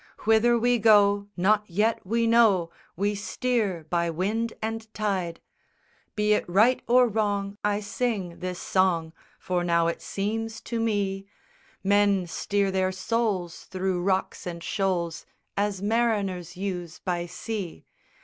Whither we go, not yet we know: We steer by wind and tide, Be it right or wrong, I sing this song; For now it seems to me Men steer their souls thro' rocks and shoals As mariners use by sea.